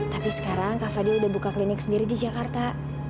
tapi sekarang kak fadil udah buka klinik sendiri di jakarta